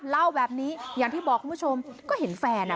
เล่าแบบนี้อย่างที่บอกคุณผู้ชมก็เห็นแฟนอ่ะ